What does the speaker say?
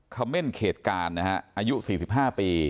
คำเม่นเขตการณ์อายุ๔๕ปี